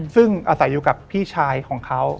ซึ่งอาศัยอยู่กับพี่ชายของเขา